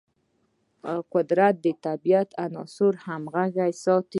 قدرت د طبیعي عناصرو همغږي ساتي.